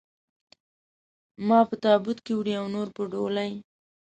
ما په تابوت کې وړي او نور په ډولۍ.